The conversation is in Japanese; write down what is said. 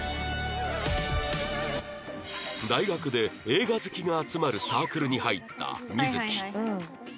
大学で映画好きが集まるサークルに入った美月